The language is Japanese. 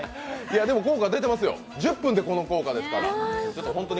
でも、効果出てますよ、１０分でこの効果ですから。